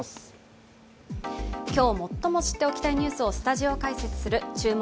今日、最も知っておきたいニュースをスタジオ解説する「注目！